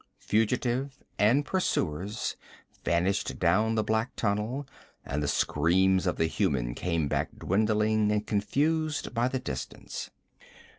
Fugitive and pursuers vanished down the black tunnel, and the screams of the human came back dwindling and confused by the distance.